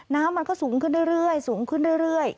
น้ำมันก็สูงขึ้นเรื่อย